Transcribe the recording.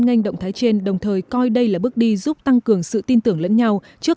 nganh động thái trên đồng thời coi đây là bước đi giúp tăng cường sự tin tưởng lẫn nhau trước